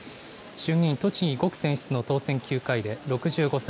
衆議院栃木５区選出の当選９回で、６５歳。